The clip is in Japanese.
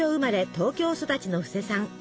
東京育ちの布施さん。